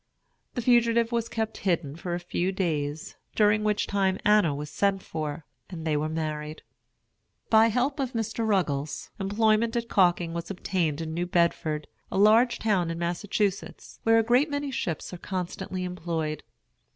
The fugitive was kept hidden for a few days, during which time Anna was sent for, and they were married. By help of Mr. Ruggles, employment at calking was obtained in New Bedford, a large town in Massachusetts, where a great many ships are constantly employed.